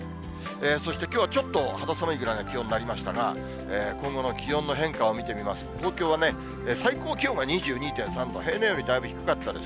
そしてきょうはちょっと肌寒いぐらいの気温になりましたが、今後の気温の変化を見てみますと、東京はね、最高気温が２２．３度、平年よりだいぶ低かったです。